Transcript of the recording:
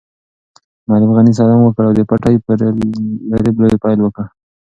معلم غني سلام وکړ او د پټي په رېبلو یې پیل وکړ.